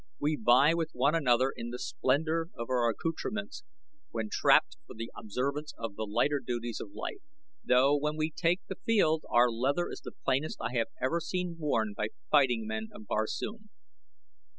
We vie with one another in the splendor of our accoutrements when trapped for the observance of the lighter duties of life, though when we take the field our leather is the plainest I ever have seen worn by fighting men of Barsoom.